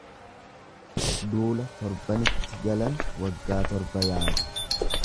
Duula torbanitti galan waggaa torba yaadu.